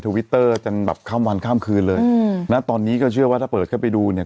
วิตเตอร์จนแบบข้ามวันข้ามคืนเลยอืมนะตอนนี้ก็เชื่อว่าถ้าเปิดเข้าไปดูเนี่ย